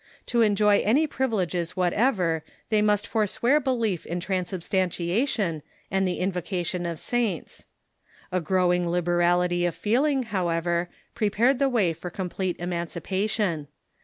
To enjoy any privileges whatever they must forswear belief in transubstantiation and the invocation of saints. A growing liberality of feeling, how ever, prepared the way for complete emancipation.